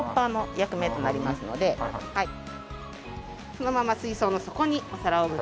そのまま水槽の底にお皿をぶつけます。